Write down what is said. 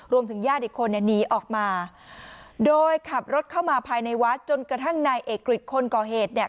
ญาติอีกคนเนี่ยหนีออกมาโดยขับรถเข้ามาภายในวัดจนกระทั่งนายเอกกฤษคนก่อเหตุเนี่ย